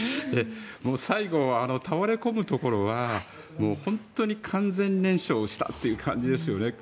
最後、倒れこむところは本当に完全燃焼したという感じですよね。